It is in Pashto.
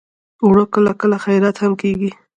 اوړه کله کله خیرات هم کېږي